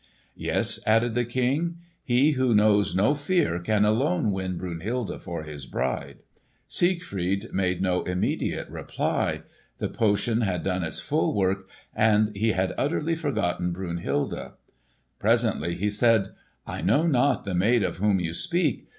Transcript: "Yes," added the King, "he who knows no fear can alone win Brunhilde for his bride." Siegfried made no immediate reply. The potion had done its full work, and he had utterly forgotten Brunhilde. Presently he said, "I know not the maid of whom you speak.